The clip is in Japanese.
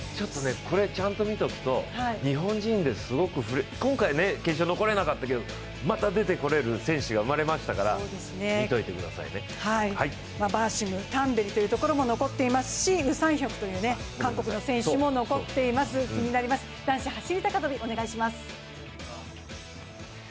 これ、ちゃんと見ておくと日本人で今回決勝に残れなかったけど、また出てこれる選手が生まれましたからバーシム、タンベリというところも残っていますしウ・サンヒョクという韓国の選手も残っております、男子走高跳、お願いします。